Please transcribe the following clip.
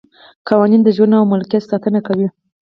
قوانین د ژوند او ملکیت ساتنه کوي.